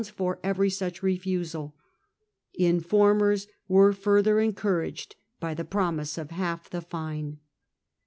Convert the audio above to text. for every such refusal. Informers were further encouraged by the promise of half the fine.